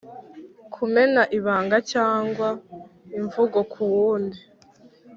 Kumena ibanga cyangwa imvugo ku wundi